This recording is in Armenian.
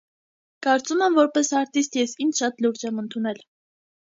Կարծում եմ որպես արտիստ ես ինձ շատ լուրջ եմ ընդունել։